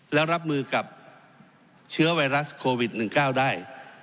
แล้วรับมือกับเชื้อไวรัสโควิด๑๙ได้